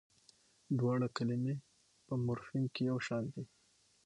دواړه کلمې په مورفیم کې یوشان دي.